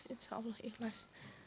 insya allah ikhlas